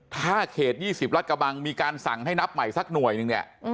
ถ้าเขต๒๐รัฐกระบังมีการสั่งให้นับใหม่สักหน่วยนึงเนี่ย